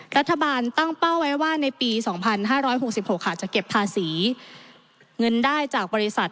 รัฐบาลตั้งเป้าไว้ว่าในปี๒๕๖๖ค่ะจะเก็บภาษีเงินได้จากบริษัท